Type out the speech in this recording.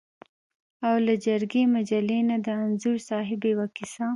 او له جرګې مجلې نه د انځور صاحب یوه کیسه.